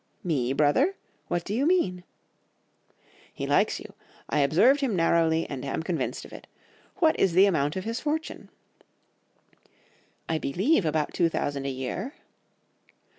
"'Me, brother! what do you mean?' "'He likes you. I observed him narrowly, and am convinced of it. What is the amount of his fortune?' "'I believe about two thousand a year.